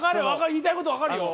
言いたいこと分かるよ。